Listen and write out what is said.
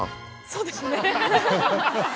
そうですね。